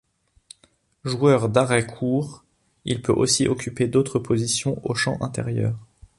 Joueur d'arrêt-court, il peut aussi occuper d'autres positions au champ intérieur.